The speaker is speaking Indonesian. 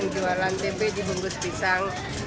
jalan tempe dibungkus pisang